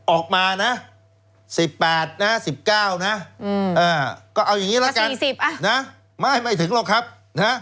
ออกมานะ๑๘๑๙ก็เอาอย่างนี้แล้วกัน